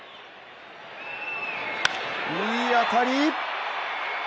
いい当たり。